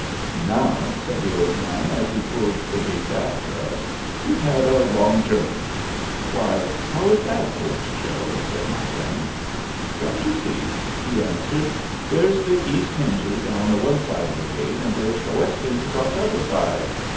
"Now," said the old man, as he pulled the gates after us, "you've had a long journey." "Why, how is that, Old Joe?" said my friend. "Don't you see?" he answered; "there's the East hinges on the one side of the gate, and there's the West hinges on t'other side—haw!